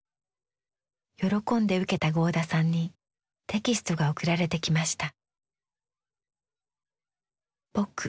喜んで受けた合田さんにテキストが送られてきました。